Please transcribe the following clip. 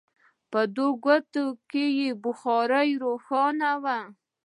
په دې کوټو کې بخارۍ روښانه وي